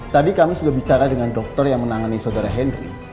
tadi kami sudah bicara dengan dokter yang menangani saudara henry